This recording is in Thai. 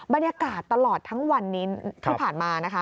บรรยากาศตลอดทั้งวันนี้ที่ผ่านมานะคะ